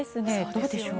どうでしょう？